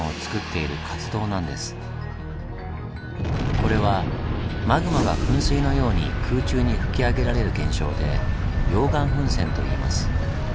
これはマグマが噴水のように空中に噴き上げられる現象で「溶岩噴泉」といいます。